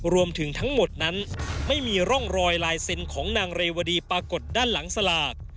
รวมถึงทั้งหมดนั้นไม่มีร่องรอยลายเซ็นต์ของนางเรวดีปรากฏด้านหลังสลาก